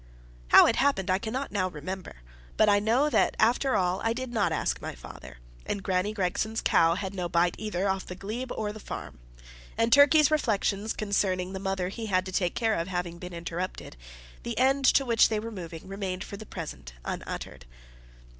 How it happened I cannot now remember, but I know that, after all, I did not ask my father, and Granny Gregson's cow had no bite either off the glebe or the farm. And Turkey's reflections concerning the mother he had to take care of having been interrupted, the end to which they were moving remained for the present unuttered.